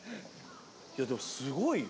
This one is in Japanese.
いやでもすごいよ。